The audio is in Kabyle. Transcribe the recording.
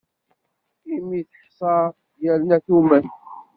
Imi teḥsa, yerna tumen.